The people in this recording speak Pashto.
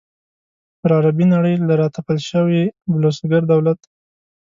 پر عربي نړۍ له را تپل شوي بلوسګر دولت.